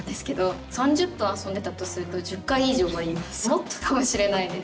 もっとかもしれないです。